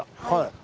はい。